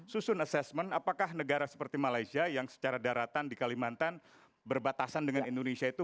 susun assessment apakah negara seperti malaysia yang secara daratan di kalimantan berbatasan dengan indonesia itu